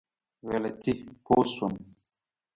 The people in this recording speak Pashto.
غلطي پوه شوم.